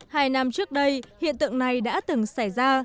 hai năm trước đây hiện tượng này đã từng xảy ra